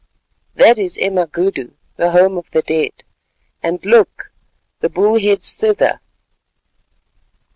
"That is Emagudu, the Home of the Dead—and look, the bull heads thither."